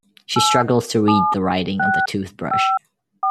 She struggles to read the writing on the toothbrush.